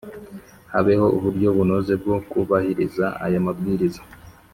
habeho uburyo bunoze bwo kubahiriza aya mabwiriza